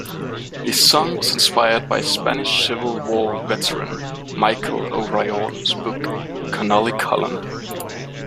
The song was inspired by Spanish Civil War veteran Michael O'Riordan's book Connolly Column.